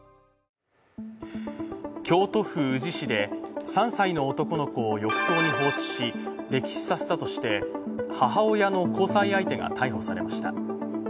京都府宇治市で３歳の男の子を浴槽に放置し、溺死させたとして母親の交際相手が逮捕されました。